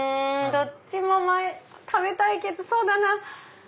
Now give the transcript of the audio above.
どっちも食べたいけどそうだなぁ。